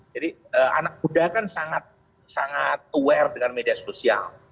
jadi anak muda kan sangat aware dengan media sosial